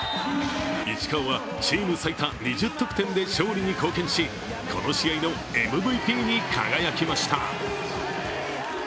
石川はチーム最多２０得点で勝利に貢献し、この試合のＭＶＰに輝きました。